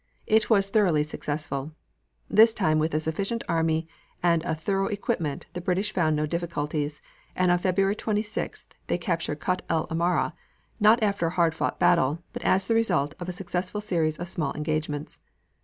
It was thoroughly successful. This time with a sufficient army and a thorough equipment the British found no difficulties, and on February 26th they captured Kut el Amara, not after a hard fought battle, but as the result of a successful series of small engagements.